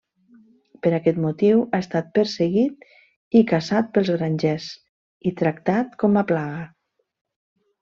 Per aquest motiu ha estat perseguit i caçat pels grangers i tractat com a plaga.